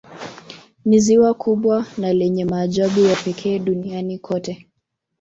Ni ziwa kubwa na lenye maajabu ya pekee Duniani kote